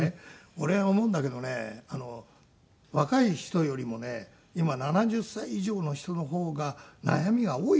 俺は思うんだけどね若い人よりもね今７０歳以上の人の方が悩みが多いと思うんですよ